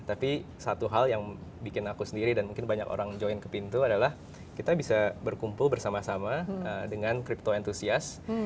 tapi satu hal yang bikin aku sendiri dan mungkin banyak orang join ke pintu adalah kita bisa berkumpul bersama sama dengan crypto entusias